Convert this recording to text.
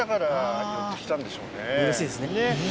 うれしいですね。